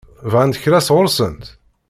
Bɣant kra sɣur-sent?